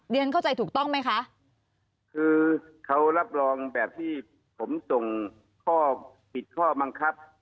เรียนเข้าใจถูกต้องไหมคะคือเขารับรองแบบที่ผมส่งข้อผิดข้อบังคับ